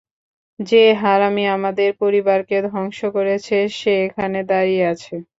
যে হারামি আমাদের পরিবারকে ধ্বংস করেছে সে এখানে দাঁড়িয়ে আছে।